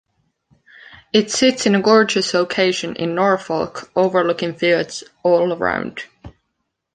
It sits in a gorgoues location in Norfolk over looking fields all around.